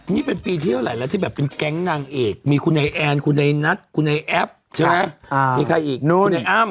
นี่เป็นปีที่เท่าไหร่แล้วที่แบบเป็นแก๊งนางเอกมีคุณไอ้แอนคุณไอ้นัทคุณไอ้แอปใช่ไหม